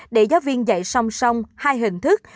để giáo viên dạy song song hai hình thức